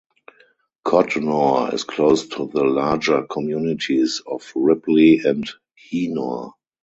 Codnor is close to the larger communities of Ripley and Heanor.